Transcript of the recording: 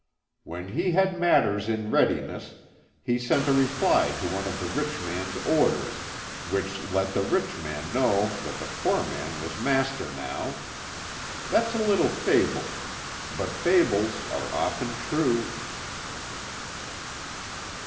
When he had matters in readiness, he sent a reply to one of the rich man's orders, which let the rich man know that the poor man was master now. That's a little fable. But fables are often true."